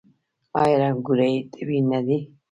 آیا رنګونه یې طبیعي نه دي؟